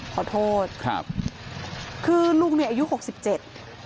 ขอโทษครับคือลุงเนี่ยอายุหกสิบเจ็ด